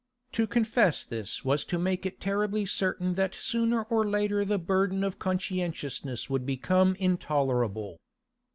To confess this was to make it terribly certain that sooner or later the burden of conscientiousness would become intolerable.